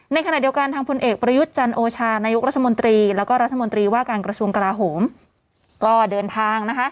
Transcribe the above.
ในขณะเดียวกันทางพลเอกประยุทธ์จันโอชานายกรัฐมนตรีแล้วก็รัฐมนตรีว่าการกระทรวงกราโหมก็เดินทางนะคะ